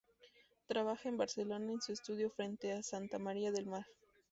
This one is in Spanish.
Trabaja en Barcelona en su estudio frente a Santa Maria del Mar.